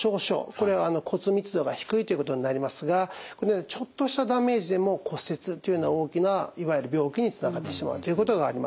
これは骨密度が低いということになりますがこのようなちょっとしたダメージでも骨折というような大きないわゆる病気につながってしまうということがあります。